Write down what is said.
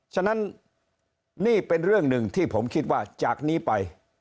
ฉะนั้นนี่เป็นเรื่องหนึ่งที่ผมคิดว่าจากนี้ไป